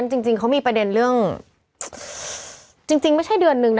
จริงเขามีประเด็นเรื่องจริงไม่ใช่เดือนนึงนะ